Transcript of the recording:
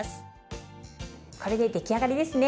これで出来上がりですね。